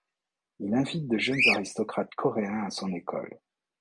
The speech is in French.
Il invite de jeunes aristocrates coréens à son école.